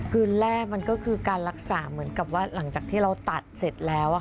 คือแรกมันก็คือการรักษาเหมือนกับว่าหลังจากที่เราตัดเสร็จแล้ว